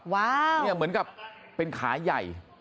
ว้าวเนี่ยเหมือนกับเป็นขายใหญ่